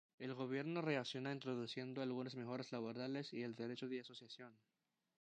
El gobierno reacciona introduciendo algunas mejoras laborales y el derecho de asociación.